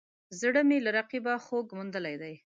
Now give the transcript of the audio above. زړه مې له رقیبه خوږ موندلی دی